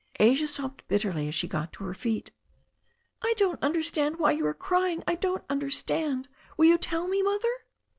Asia sobbed bitterly as she got to her feet. "I don't understand why you are crying — ^I don't under stand. Will you tell me, Mother?"